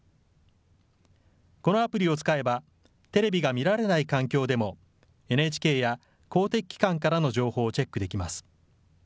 このアプリを使えばテレビが見られない環境でもＮＨＫや公的機関からの情報をチェックできます。